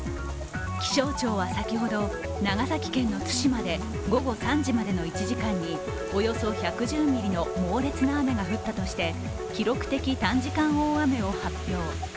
気象庁は先ほど、長崎県の対馬で午後３時までの１時間におよそ１１０ミリの猛烈な雨が降ったとして記録的短時間大雨を発表。